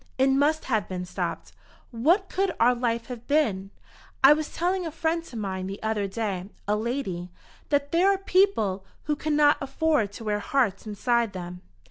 It must have been stopped. What could our life have been? I was telling a friend to mine the other day, a lady, that there are people who cannot afford to wear hearts inside them.